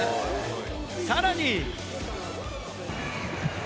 さらに。